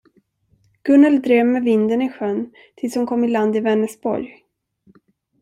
Gunnel drev med vinden i sjön tills hon kom i land i Vänersborg.